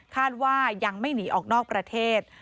คาดว่ายังไม่หนีออกนอกประเทศ